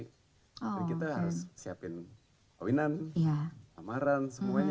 tapi kita harus siapin kawinan amaran semuanya